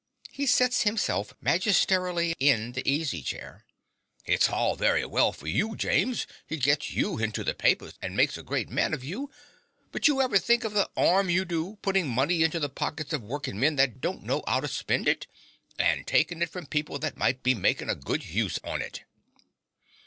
(He seats himself magisterially in the easy chair.) It's hall very well for you, James: it gits you hinto the papers and makes a great man of you; but you never think of the 'arm you do, puttin' money into the pockets of workin' men that they don't know 'ow to spend, and takin' it from people that might be makin' a good huse on it.